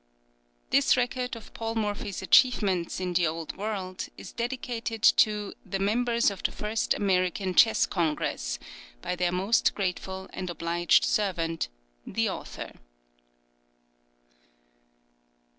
THIS RECORD OF PAUL MORPHY'S ACHIEVEMENTS IN THE OLD WORLD, IS DEDICATED TO The Members of THE FIRST AMERICAN CHESS CONGRESS, BY THEIR MOST GRATEFUL AND OBLIGED SERVANT, THE AUTHOR.